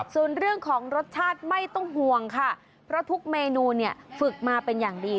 ส่วนเรื่องของรสชาติไม่ต้องห่วงค่ะเพราะทุกเมนูเนี่ยฝึกมาเป็นอย่างดี